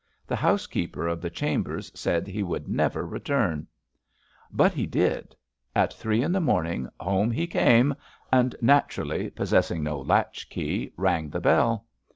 The housekeeper of the chambers said he would never return. THE NEW DISPENSATION— n 293 But he did. At three in the morning home he came, and, naturally, possessing no latch key, rang the bell.